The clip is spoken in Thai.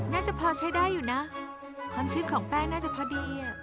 น่าจะพอใช้ได้อยู่นะความชื่นของแป้งน่าจะพอดี